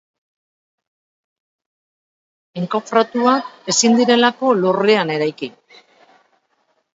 Enkofratuak ezin direlako lurrean eraiki.